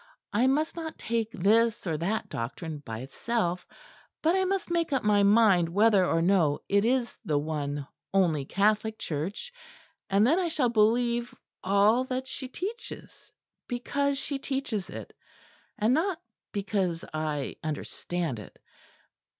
I must not take this or that doctrine by itself; but I must make up my mind whether or no it is the one only Catholic Church, and then I shall believe all that she teaches, because she teaches it, and not because I understand it.